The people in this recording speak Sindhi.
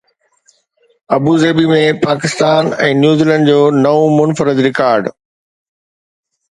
ابوظهبي ۾ پاڪستان ۽ نيوزيلينڊ جو نئون منفرد رڪارڊ